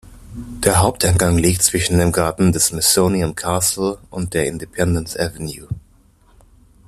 Der Haupteingang liegt zwischen dem Garten des Smithsonian Castle und der Independence Avenue.